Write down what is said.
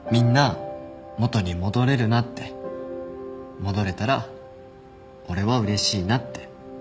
戻れたら俺はうれしいなって。